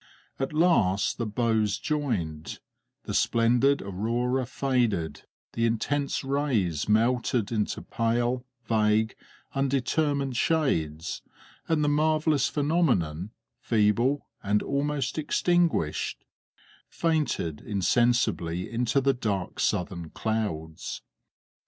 At last the bows joined, the splendid aurora faded, the intense rays melted into pale, vague, undetermined shades, and the marvellous phenomenon, feeble, and almost extinguished, fainted insensibly into the dark southern clouds.